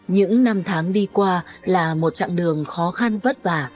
những năm tháng đi qua là một chặng đường khó khăn vất vả